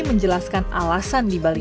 menjelaskan alasan di balik